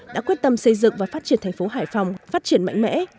đã quyết tâm xây dựng và phát triển tp hải phòng phát triển mạnh mẽ